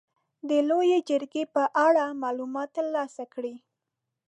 د لويې جرګې په اړه معلومات تر لاسه کړئ.